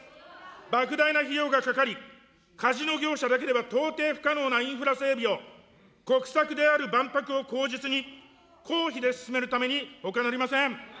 ばく大な費用がかかり、カジノ業者だけでは到底不可能なインフラ整備を、国策である万博を口実に、公費で進めるためにほかなりません。